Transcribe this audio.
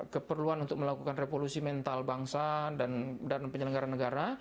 keperluan untuk melakukan revolusi mental bangsa dan penyelenggara negara